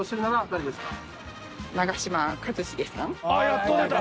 あっやっと出た。